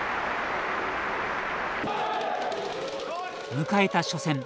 迎えた初戦。